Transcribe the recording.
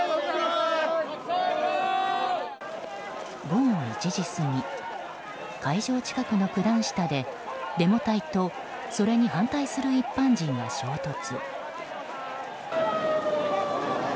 午後１時過ぎ会場近くの九段下でデモ隊とそれに反対する一般人が衝突。